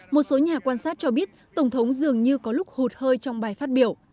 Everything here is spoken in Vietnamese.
một số nhà quan sát cho biết tổng thống dường như có lúc hụt hơi trong bài phát biểu